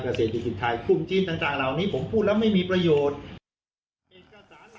คลุมจีนต่างละวันนี้ผมพูดแล้วไม่มีประโยชน์